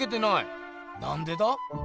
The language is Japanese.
なんでだ？